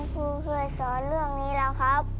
คุณครูเคยสอนเรื่องนี้เหรอครับ